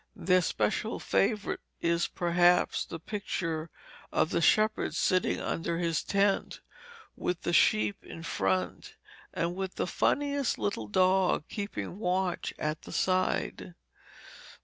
Their special favourite is perhaps the picture of the shepherd sitting under his tent, with the sheep in front, and with the funniest little dog keeping watch at the side.